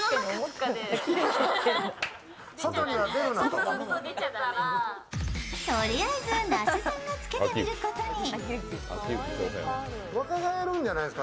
とりあえず那須さんがつけてみることに。